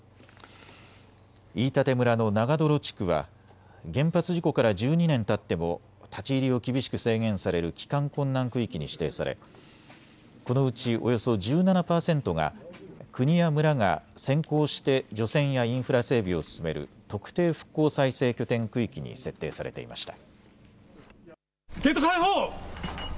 飯舘村の長泥地区は原発事故から１２年たっても立ち入りを厳しく制限される帰還困難区域に指定されこのうちおよそ１７％が国や村が先行して除染やインフラ整備を進める特定復興再生拠点区域に設定されていました。